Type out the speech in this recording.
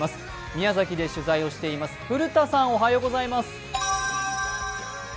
宮崎で取材しています古田さん、おはようございます。